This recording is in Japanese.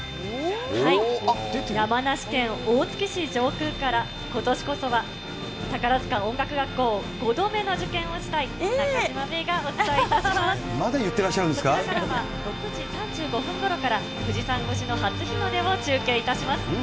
山梨県大月市上空から、今年こそは、宝塚音楽学校を５度目の受験をしたい中島芽生がお伝まだ言ってらっしゃるんです６時３５分ごろから、富士山越しの初日の出を中継いたします。